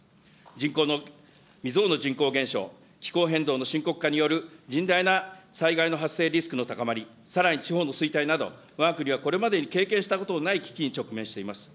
人口の、未曽有の人口減少、気候変動の深刻化による甚大な災害の発生リスクの高まり、さらに地方の衰退など、わが国はこれまでに経験したことのない危機に直面しています。